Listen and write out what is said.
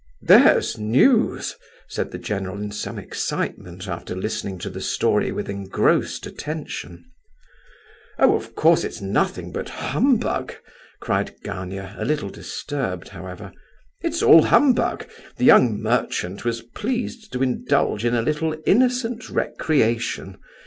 "There's news!" said the general in some excitement, after listening to the story with engrossed attention. "Oh, of course it's nothing but humbug!" cried Gania, a little disturbed, however. "It's all humbug; the young merchant was pleased to indulge in a little innocent recreation!